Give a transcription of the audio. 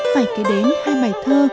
phải kể đến hai bài thơ